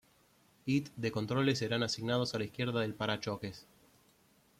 It de controles serán asignados a la izquierda del parachoques.